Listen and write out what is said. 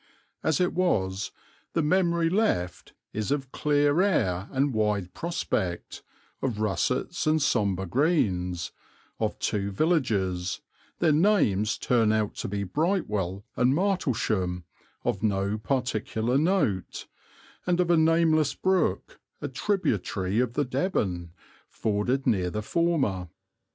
As it was, the memory left is of clear air and wide prospect, of russets and sombre greens, of two villages their names turn out to be Brightwell and Martlesham of no particular note, and of a nameless brook, a tributary of the Deben, forded near the former.